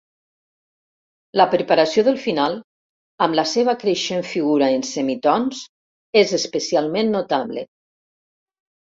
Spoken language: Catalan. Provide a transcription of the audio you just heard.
La preparació del final, amb la seva creixent figura en semitons, és especialment notable.